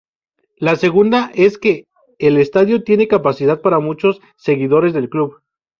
La segunda es que el estadio tiene capacidad para muchos seguidores del club.